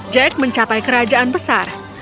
jack mencapai kerajaan besar